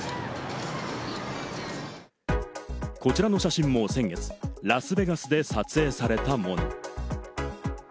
こちらの写真も先月、ラスベガスで撮影されたもの。